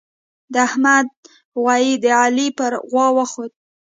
د احمد غويی د علي پر غوا وخوت.